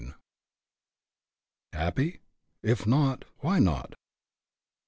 XL HAPPY? IF NOT, WHY NOT?